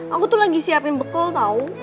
aku tuh lagi siapin bekal tau